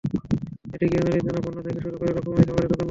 এতে গৃহস্থালির নানা পণ্য থেকে শুরু করে রকমারি খাবারের দোকান বসে।